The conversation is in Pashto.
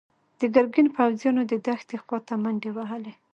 د ګرګين پوځيانو د دښتې خواته منډې وهلي.